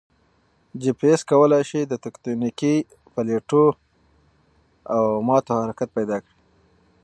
جي پي ایس کوای شي د تکوتنیکي پلیټو او ماتو حرکت پیدا کړي